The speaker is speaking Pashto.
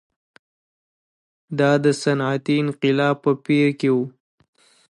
دا د صنعتي انقلاب په پېر کې و.